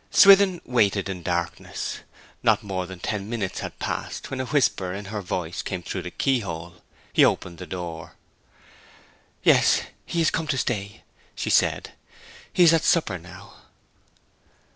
Swithin waited in darkness. Not more than ten minutes had passed when a whisper in her voice came through the keyhole. He opened the door. 'Yes; he is come to stay!' she said. 'He is at supper now.'